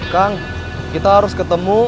kang kita harus ketemu